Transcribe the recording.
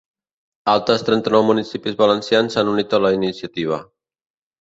Altres trenta-nou municipis valencians s’han unit a la iniciativa.